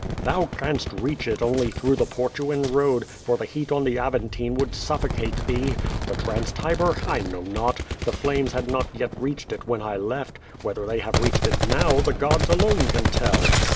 "Thou canst reach it only tlirougli the Portuan Road, for the heat on the Aventine would sufTocatc thee. The Trans Tiber? I know not. The flames had not yet reached it wlien I left; whether they have reached it now, the gods alone can tell."